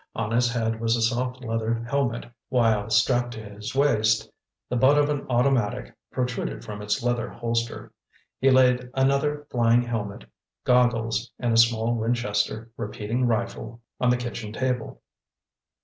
On his head was a soft leather helmet, while strapped to his waist, the butt of an automatic protruded from its leather holster. He laid another flying helmet, goggles and a small Winchester repeating rifle on the kitchen table.